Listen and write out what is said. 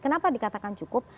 kenapa dikatakan cukup